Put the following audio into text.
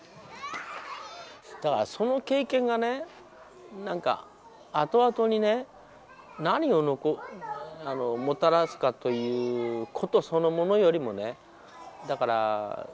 だからその経験がね何か後々にね何をもたらすかということそのものよりもね。